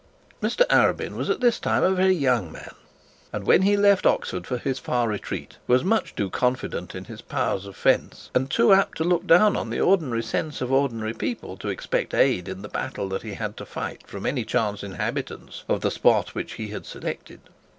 Mr Arabin was at this time a very young man, and when he left Oxford for his far retreat was much too confident in his powers of fence, and too apt to look down on the ordinary sense of ordinary people, to expect aid in the battle that he had to fight from any chance inhabitants on the spot which he had selected.